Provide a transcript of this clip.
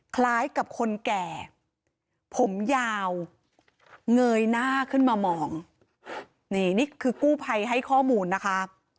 คล้ายกับคนแก่ผมยาวเงยหน้าขึ้นมามองนี่นี่คือกู้ภัยให้ข้อมูลนะคะ